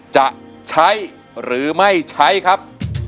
จะใช้หรือไม่ใช้ครับ